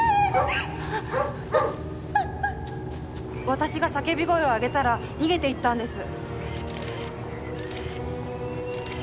私が叫び声を上げたら逃げていったんです。